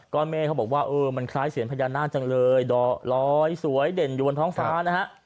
เมฆเขาบอกว่าเออมันคล้ายเสียงพญานาคจังเลยดอกลอยสวยเด่นอยู่บนท้องฟ้านะฮะ